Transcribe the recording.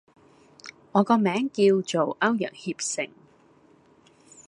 我個名叫做歐陽協成